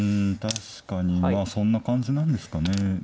確かにそんな感じなんですかね。